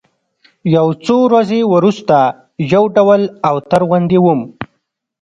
يو څو ورځې وروسته يو ډول اوتر غوندې وم.